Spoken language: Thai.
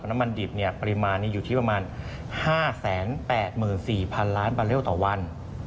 น้ำมันดิบปริมาณนี้อยู่ที่ประมาณ๕๘๔๐๐๐ล้านบาเลลต่อวัน